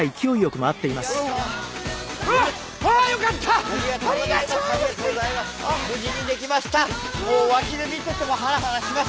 もう脇で見ていてもハラハラします。